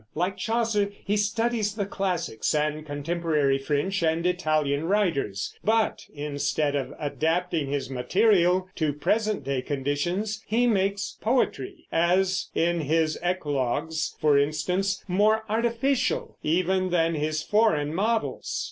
Like Chaucer he studies the classics and contemporary French and Italian writers; but instead of adapting his material to present day conditions, he makes poetry, as in his Eclogues for instance, more artificial even than his foreign models.